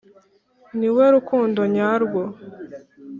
ni we rukundo nyarwo